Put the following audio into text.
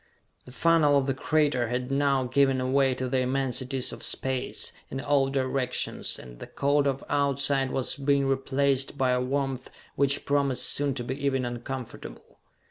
The funnel of the crater had now given away to the immensities of space, in all directions, and the cold of outside was being replaced by a warmth which promised soon to be even uncomfortable.